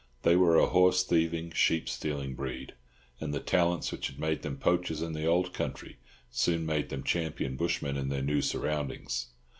They were a horse thieving, sheep stealing breed, and the talents which had made them poachers in the old country soon made them champion bushmen in their new surroundings.